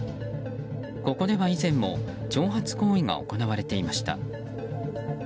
ここでは以前も挑発行為が行われていました。